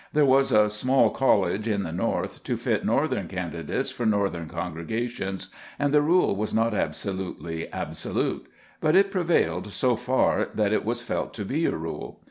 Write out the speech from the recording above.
There was a small college in the north to fit northern candidates for northern congregations, and the rule was not absolutely absolute; but it prevailed so far that it was felt to be a rule.